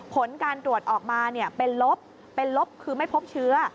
ผลการตรวจออกมาเป็นลบเป็นลบคือไม่พบเชื้อ